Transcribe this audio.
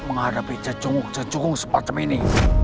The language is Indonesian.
menghadapi jejung jejung seperti ini